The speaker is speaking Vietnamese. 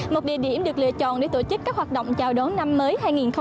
một địa điểm được lựa chọn để tổ chức các hoạt động chào đón năm mới hai nghìn hai mươi